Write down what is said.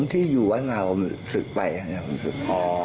ไปแบบนี้เป็นเวลานานเนี่ย